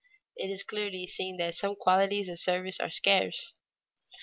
_ It is clearly seen that some qualities of service are scarce.